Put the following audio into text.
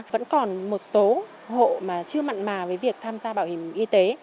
vẫn còn một số hộ mà chưa mặn mà với việc tham gia bảo hiểm y tế